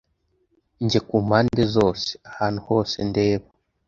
Njye kumpande zose, ahantu hose ndeba.